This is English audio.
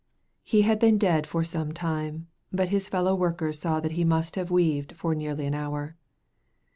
He had been dead for some time, but his fellow workers saw that he must have weaved for nearly an hour.